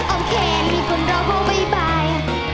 โอเคมีคนรอบว่าบ๊ายบาย